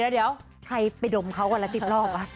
เดี๋ยวใครไปดมเขาวันละ๑๐รอบ